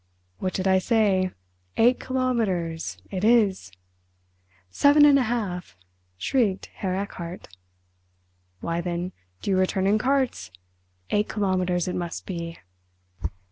"What did I say? Eight kilometres—it is!" "Seven and a half!" shrieked Herr Erchardt. "Why, then, do you return in carts? Eight kilometres it must be."